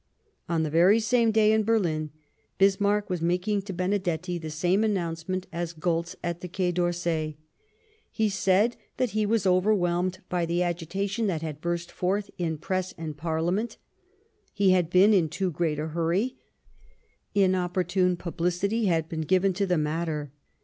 On the very same day, in Berlin, Bismarck was making to Benedetti the same announcement as Goltz at the Quai d'Orsay. He said that he was overwhelmed by the agitation that had burst forth in Press and Parliament ; he had been in too great a hurry ; inopportune publicity had been given to the matter.